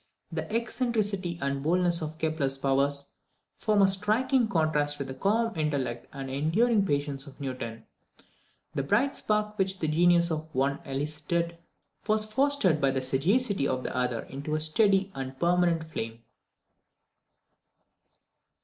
The eccentricity and boldness of Kepler's powers form a striking contrast with the calm intellect and the enduring patience of Newton. The bright spark which the genius of the one elicited, was fostered by the sagacity of the other into a steady and a permanent flame.